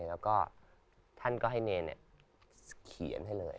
แล้วก็ท่านก็ให้เนรเขียนให้เลย